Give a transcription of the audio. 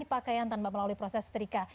pakaian tanpa melalui proses setrika